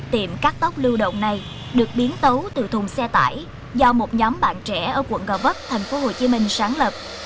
tiệm cắt tóc lưu động này được biến tấu từ thùng xe tải do một nhóm bạn trẻ ở quận gò vấp tp hcm sáng lập